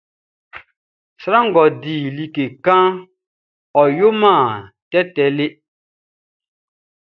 Sran ngʼɔ di like kanʼn, ɔ yoman tɛtɛ le.